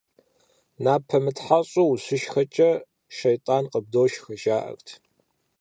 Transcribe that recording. Напэ мытхьэщӀу ущышхэкӏэ, щейтӀан къыбдошхэ, жаӀэрт.